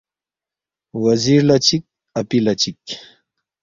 وزیر لہ چِک اپی لہ چِک